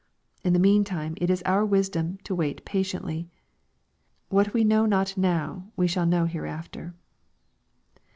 In the meantime it is our wisdom to wait patiently. What we know not now, we shall know hereafter.